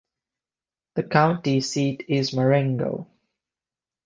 The county seat is Marengo.